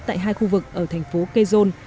tại hai khu vực ở thành phố quezon